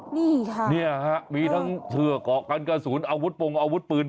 นี่ค่ะเนี่ยฮะมีทั้งเสื้อเกาะกันกระสุนอาวุธปงอาวุธปืน